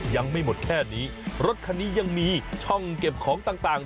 ยังไม่หมดแค่นี้รถคันนี้ยังมีช่องเก็บของต่าง